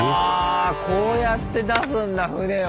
こうやって出すんだ船を。